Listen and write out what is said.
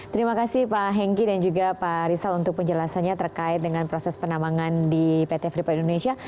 terima kasih pak hengki dan juga pak rizal untuk penjelasannya terkait dengan proses penambangan di pt freeport indonesia